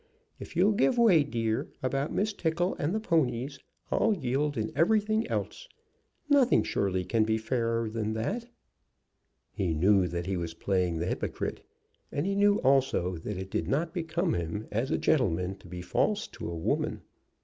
If you'll give way, dear, about Miss Tickle and the ponies, I'll yield in everything else. Nothing, surely, can be fairer than that." He knew that he was playing the hypocrite, and he knew also that it did not become him as a gentleman to be false to a woman.